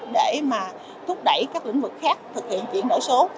để mà thúc đẩy các lĩnh vực khác thực hiện chuyển đổi số